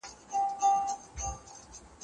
ښايي پر غوږونو به ښه ولګیږي